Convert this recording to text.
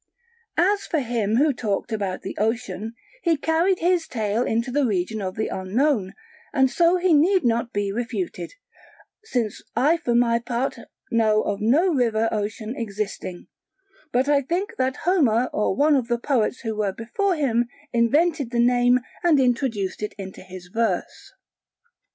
As for him who talked about the Ocean, he carried his tale into the region of the unknown, and so he need not be refuted; since I for my part know of no river Ocean existing, but I think that Homer or one of the poets who were before him invented the name and introduced it into his verse.